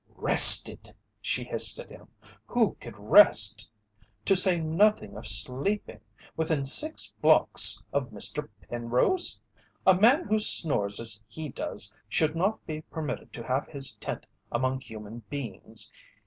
"Rested!" she hissed at him. "Who could rest, to say nothing of sleeping, within six blocks of Mr. Penrose? A man who snores as he does should not be permitted to have his tent among human beings.